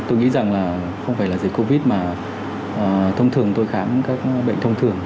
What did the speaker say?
tôi nghĩ rằng là không phải là dịch covid mà thông thường tôi khám các bệnh thông thường